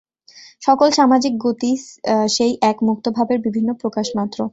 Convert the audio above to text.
সকল সামাজিক গতিই সেই এক মুক্তভাবের বিভিন্ন প্রকাশমাত্র।